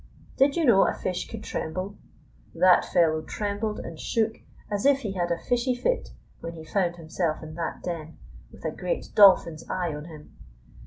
Did you know a fish could tremble? That fellow trembled and shook as if he had a fishy fit when he found himself in that den, with a great Dolphin's eye on him.